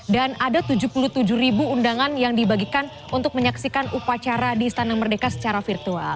dan ada tujuh puluh tujuh undangan yang dibagikan untuk menyaksikan upacara di istana merdeka secara virtual